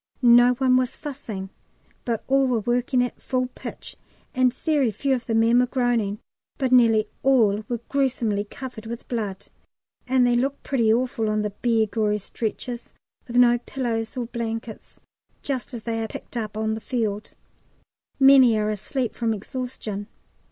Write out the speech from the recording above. No one was fussing, but all were working at full pitch; and very few of the men were groaning, but nearly all were gruesomely covered with blood. And they look pretty awful on the bare gory stretchers, with no pillows or blankets, just as they are picked up on the field. Many are asleep from exhaustion.